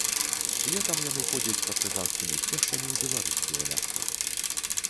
Летам яны ходзяць партызанскімі сцежкамі ў беларускія лясы.